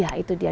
ya itu dia